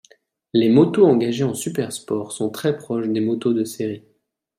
Les motos engagées en Supersport sont très proches des motos de série.